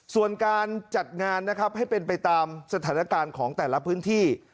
ส่วนการจัดงานนะครับให้เป็นไปตามสถานการณ์ของแต่ละพื้นที่